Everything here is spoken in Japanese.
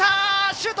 シュート！